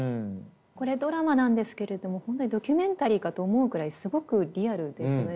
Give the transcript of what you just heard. これドラマなんですけれども本当にドキュメンタリーかと思うくらいすごくリアルですよね。